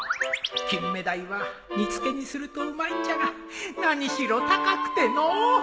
キンメダイは煮付けにするとうまいんじゃが何しろ高くてのう。